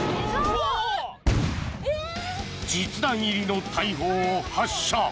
［実弾入りの大砲を発射］